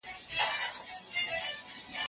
د ښځو ږغ په سیاسي پریکړو کي نه اوریدل کیږي.